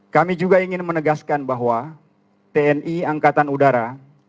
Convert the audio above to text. kami juga ingin menegaskan bahwa tni angkatan udara